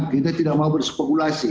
kita tidak mau berspekulasi